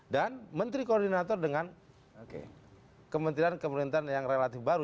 dan menteri koordinator dengan kementerian kementerian yang relatif baru